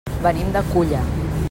Venim de Culla.